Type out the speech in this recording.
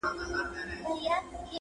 چي عبرت د لوى او کم- خان او نادار سي-